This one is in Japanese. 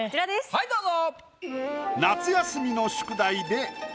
はいどうぞ。